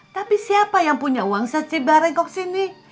tapi siapa yang punya uang secit bareng kok sini